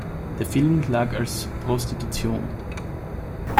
Der Film lag als “Prostitution.